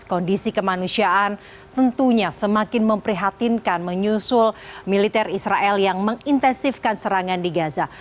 kondisi kemanusiaan tentunya semakin memprihatinkan menyusul militer israel yang mengintensifkan serangan di gaza